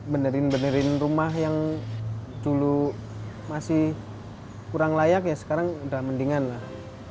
benerin benerin rumah yang dulu masih kurang layak ya sekarang udah mendingan lah